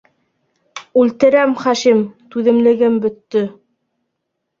Үлтерәм, Хашим, түҙемлегем бөттө!